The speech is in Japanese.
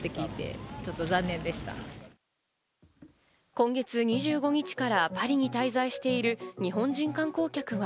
今月２５日からパリに滞在している日本人観光客は。